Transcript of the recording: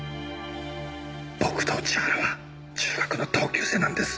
僕と千原は中学の同級生なんです。